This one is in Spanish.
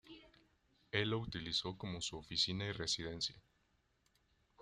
Él lo utilizó como su oficina y residencia.